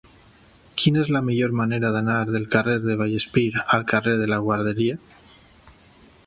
Quina és la millor manera d'anar del carrer de Vallespir al carrer de la Guarderia?